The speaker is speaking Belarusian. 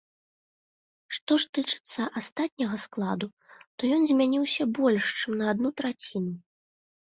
Што ж тычыцца астатняга складу, то ён змяніўся больш, чым на адну траціну.